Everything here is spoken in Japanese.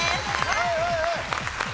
はいはいはい！